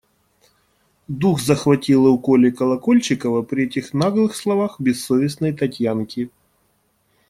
Дух захватило у Коли Колокольчикова при этих наглых словах бессовестной Татьянки.